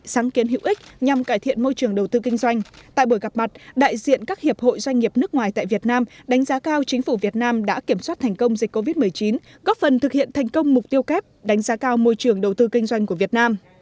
sáng kiến hữu ích nhằm cải thiện môi trường đầu tư kinh doanh tại buổi gặp mặt đại diện các hiệp hội doanh nghiệp nước ngoài tại việt nam đánh giá cao chính phủ việt nam đã kiểm soát thành công dịch covid một mươi chín góp phần thực hiện thành công mục tiêu kép đánh giá cao môi trường đầu tư kinh doanh của việt nam